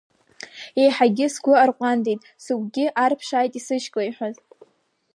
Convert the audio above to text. Еиҳагьы сгәы арҟәандеит сыгәгьы арԥшааит исышьклеиҳәаз…